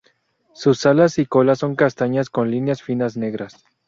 Sus alas y cola son castañas con líneas finas negras.